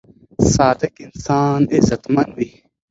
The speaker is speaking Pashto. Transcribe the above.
صادق انسان عزتمن وي.